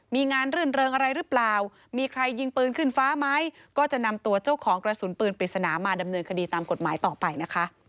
มีงานรื่นเริงอะไรหรือเปล่ามีใครยิงปืนขึ้นฟ้าไหมก็จะนำตัวเจ้าของกระสุนปืนปริศนามาดำเนินคดีตามกฎหมายต่อไปนะคะ